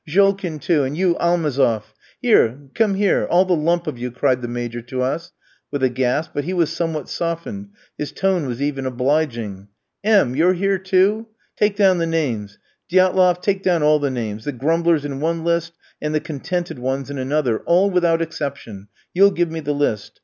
Jolkin too; and you, Almazof! Here, come here, all the lump of you!" cried the Major to us, with a gasp; but he was somewhat softened, his tone was even obliging. "M tski, you're here too?... Take down the names. Diatloff, take down all the names, the grumblers in one list and the contented ones in another all, without exception; you'll give me the list.